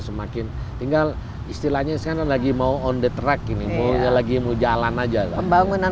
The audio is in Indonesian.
semakin tinggal istilahnya sekarang lagi mau on the track ini mau lagi mau jalan aja pembangunan